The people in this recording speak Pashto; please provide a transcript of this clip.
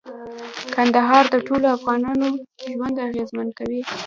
کندهار د ټولو افغانانو ژوند اغېزمن کوي.